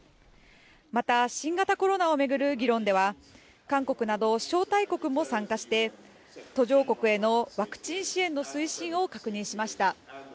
また、新型コロナを巡る議論では韓国など招待国も参加して、途上国へのワクチン支援の推進を確認しました。